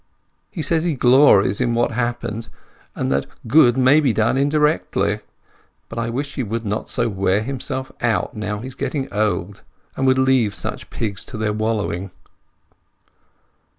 He says he glories in what happened, and that good may be done indirectly; but I wish he would not wear himself out now he is getting old, and would leave such pigs to their wallowing."